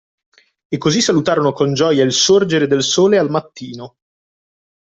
E così salutarono con gioia il sorgere del Sole al mattino.